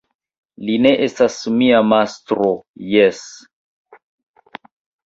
Li ne estas mia mastro, jes!